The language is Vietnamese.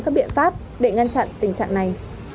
các biện pháp để ngăn chặn tình trạng này